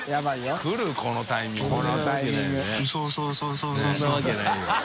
そんなわけないよ。